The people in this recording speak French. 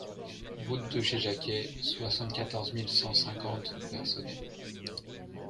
Route de Chez Jacquet, soixante-quatorze mille cent cinquante Versonnex